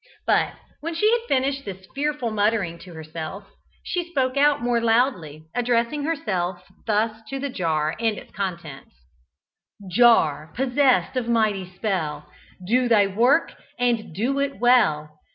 But when she had finished this fearful muttering to herself, she spoke out more loudly, addressing herself thus to the jar and its contents: "Jar! possessed of mighty spell, Do thy work, and do it well.